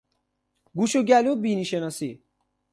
گوش و گلو و بینی شناسی